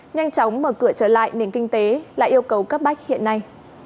nhanh chóng mở cửa trở lại nền kinh tế là yêu cầu cấp bách hiện nay